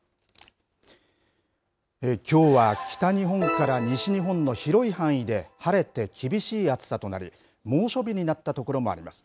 きょうは北日本から西日本の広い範囲で晴れて、厳しい暑さとなり、猛暑日になった所もあります。